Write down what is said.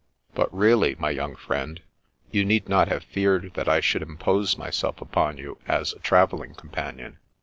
" But really, my young friend, you need not have feared that I should impose myself upon you as a travelling companion.